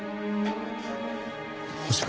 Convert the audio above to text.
星川